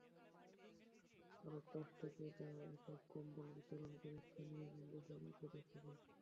প্রথম আলো ট্রাস্ট থেকে দেওয়া এসব কম্বল বিতরণ করেন স্থানীয় বন্ধুসভার সদস্যরা।